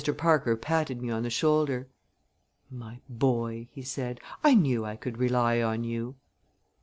Parker patted me on the shoulder. "My boy," he said, "I knew I could rely on you."